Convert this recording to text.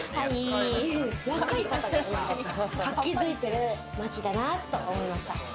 若い方が、活気づいてる街だなと思いました。